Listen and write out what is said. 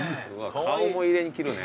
顔も入れにくるね。